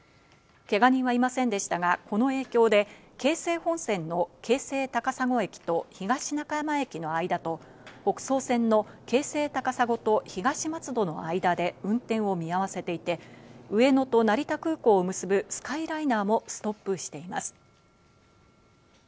けが人はいませんでしたが、この影響で京成本線の京成高砂駅と東中山駅の間と、北総線の京成高砂と東松戸の間で運転を見合わせていて、上野と成田空港を結ぶスカイライナーもストップしています。